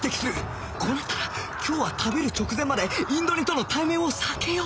こうなったら今日は食べる直前までインド煮との対面を避けよう！